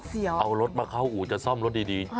เอารถมาเข้าอู่จะซ่อมรถดี